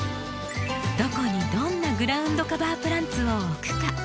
どこにどんなグラウンドカバープランツを置くか。